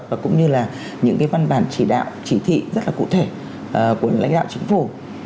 và cũng như là những cái văn bản chỉ đạo chỉ thị rất là cụ thể của lãnh đạo chính phủ